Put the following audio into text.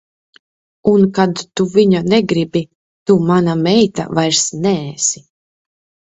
Un kad tu viņa negribi, tu mana meita vairs neesi.